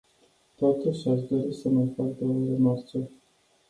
Totuși, aș dori să mai fac două remarce.